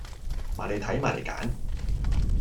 埋嚟睇，埋嚟揀